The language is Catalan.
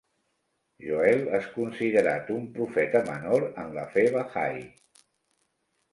Joel és considerat un profeta menor en la fe bahaí.